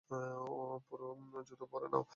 জুতো পরে নাও।